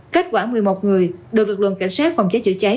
kết quả một mươi một người được lực lượng cảnh sát phòng cháy chữa cháy